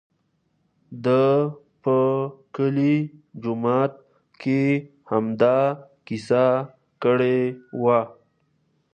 ده په کلي جومات کې همدا کیسه کړې وه.